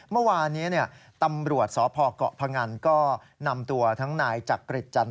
เมื่อวานนี้ตำรวจสเกพงก็นำตัวทางบางนี้